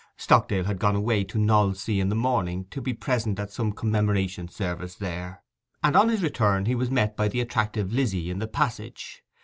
Stockdale had gone away to Knollsea in the morning, to be present at some commemoration service there, and on his return he was met by the attractive Lizzy in the passage.